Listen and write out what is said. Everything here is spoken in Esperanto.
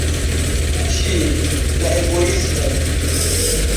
Ĉie, la egoismo!